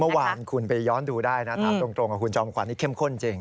เมื่อวานคุณไปย้อนดูได้นะถามตรงกับคุณจอมขวัญนี่เข้มข้นจริง